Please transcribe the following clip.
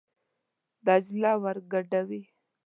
دجله ور ګډوي.